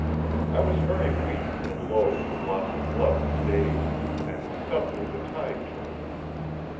I was very weak and low from loss of blood for days, and, suddenly, the tide turned.